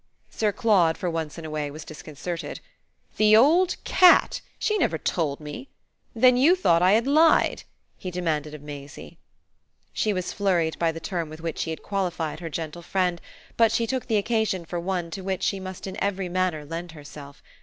Sir Claude, for once in a way, was disconcerted. "The old cat! She never told me. Then you thought I had lied?" he demanded of Maisie. She was flurried by the term with which he had qualified her gentle friend, but she took the occasion for one to which she must in every manner lend herself.